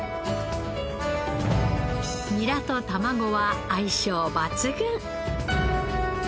ニラと卵は相性抜群！